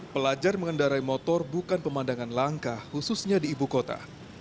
pelajar mengendarai motor bukan pemandangan langka khususnya di ibu kota